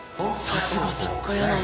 さすが作家やなあ。